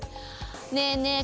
ねえねえ